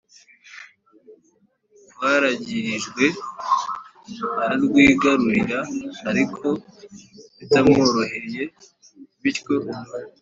rwaragirijwe, ararwigarurira, ariko bitamworoheye. bityo